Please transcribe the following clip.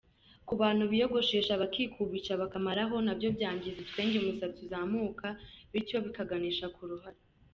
Ku bantu biyogoshesha bakikubisha bakamaraho ,nabyo byangiza utwenge umusatsi uzamukamo, bityo bikaganisha ku ruhara.